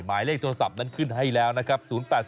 หมายเลขโทรศัพท์นั้นขึ้นให้แล้วนะครับ